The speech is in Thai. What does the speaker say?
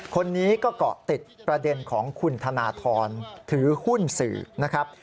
คนนี้ก็เกาะติดประเด็นของคุณธนทรถือหุ้นสื่อนะครับ